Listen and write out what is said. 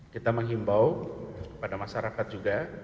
kita menghimbau kepada masyarakat juga